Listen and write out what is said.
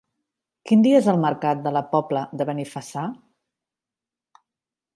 Quin dia és el mercat de la Pobla de Benifassà?